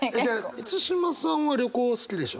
満島さんは旅行好きでしょ？